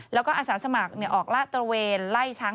แล้วก็อาสาสมัครออกลาดตระเวนไล่ช้าง